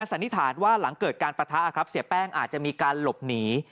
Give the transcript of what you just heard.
สันนิษฐานว่าหลังเกิดการปะทะครับเสียแป้งอาจจะมีการหลบหนี